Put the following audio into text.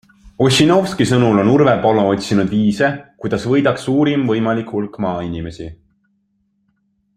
Ossinovski sõnul on Urve Palo otsinud viise, kuidas võidaks suurim võimalik hulk maainimesi.